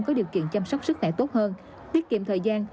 có điều kiện chăm sóc sức khỏe tốt hơn tiết kiệm thời gian